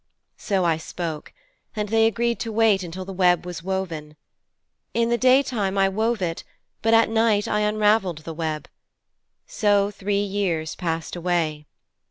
'" 'So I spoke, and they agreed to wait until the web was woven. In the daytime I wove it, but at night I unravelled the web. So three years passed away.